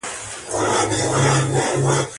د اسلام په سیاسي نظام کښي د مسلمانانو واحد جماعت يي.